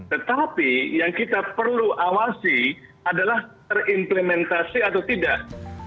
tetapi yang kita perlu awasi adalah terimplementasi atau tidak